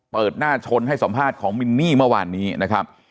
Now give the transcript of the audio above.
เปิดหน้าชนให้สัมภาษณ์ของมินนี่เมื่อวานนี้นะครับ